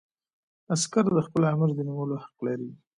عسکر د خپل آمر د نیولو حق لري.